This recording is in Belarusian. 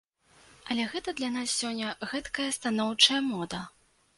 Але гэта для нас сёння гэткая станоўчая мода.